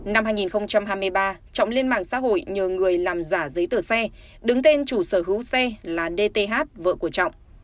năm hai nghìn hai mươi ba trọng lên mạng xã hội nhờ người làm giả giấy tờ xe đứng tên chủ sở hữu xe là dth vợ của trọng